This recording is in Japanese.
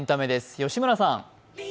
吉村さん。